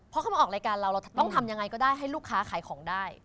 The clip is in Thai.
พอเข้ามาออกรายการเราเราต้องทำยังไงก็ได้ให้ลูกค้าขายของได้